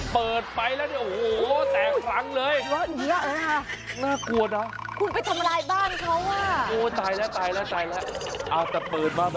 เปิดไปแล้วเนี่ยโอ้โหแตกหลังเลยหรือว่า